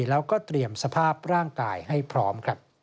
แล้วก็เตรียมสภาพร่างกายให้พร้อม